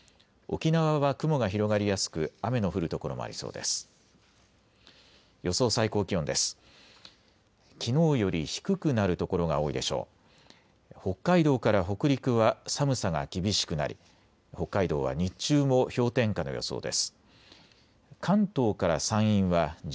沖縄は雲が広がりやすく雨の降る所もありそうです。